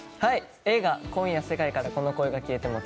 映画「今夜、世界から恋が消えても」